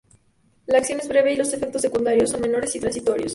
La acción es breve y los efectos secundarios son menores y transitorios.